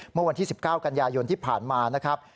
เมื่อวันที่๑๙กันยายนที่ผ่านมานะครับ